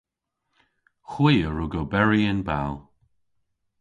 Hwi a wrug oberi yn bal.